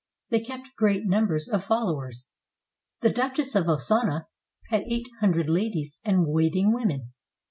They kept great num bers of followers. The Duchess of Ossuna had eight hundred ladies and waiting women.